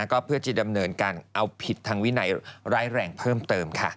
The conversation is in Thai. ก็เพื่อจะดำเนินการเอาผิดทางวินัยร้ายแรงเพิ่มเติมค่ะ